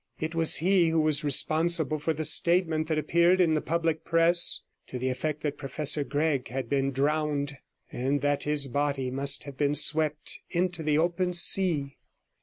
It was he who was responsible for the statement that appeared in the public press, to the effect that Professor Gregg had been drowned, and that his body must have been swept into the open sea.